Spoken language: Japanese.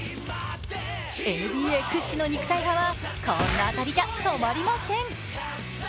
ＮＢＡ屈指の肉体派はこんな当たりじゃ止まりません。